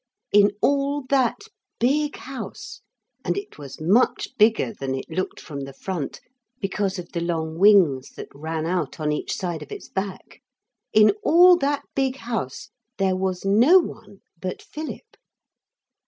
In all that big house, and it was much bigger than it looked from the front because of the long wings that ran out on each side of its back in all that big house there was no one but Philip.